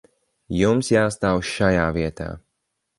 Jums jāstāv šajā vietā.